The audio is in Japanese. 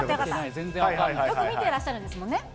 よく見てらっしゃるんですもんね。